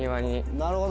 なるほど。